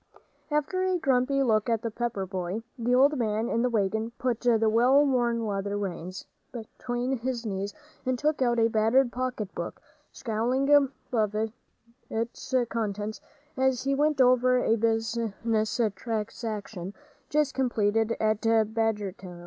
After a grumpy look at the Pepper boy, the old man in the wagon put the well worn leather reins between his knees and took out a battered pocket book, scowling above its contents as he went over a business transaction just completed at Badgertown.